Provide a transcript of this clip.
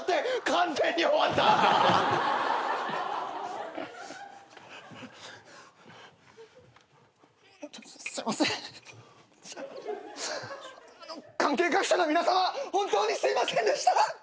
関係各社の皆さま本当にすいませんでした！